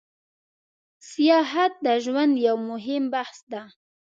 سیاحت د ژوند یو موهیم بحث ده